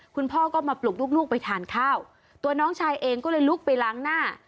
คุณพ่อก็มาปลุกลูกไปทานข้าวตัวน้องชายเองก็เลยลุกไปล้างหน้า